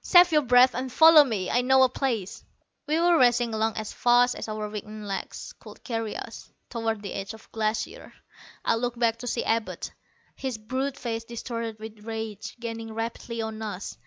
"Save your breath and follow me. I know a place." We were racing along as fast as our weakened legs could carry us, toward the edge of the Glacier. I looked back to see Abud, his brute face distorted with rage, gaining rapidly on us.